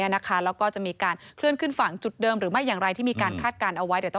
แล้วก็จะมีการเคลื่อนขึ้นฝั่งจุดเดิมหรือไม่อย่างไรที่มีการคาดการณ์เอาไว้เดี๋ยวต้อง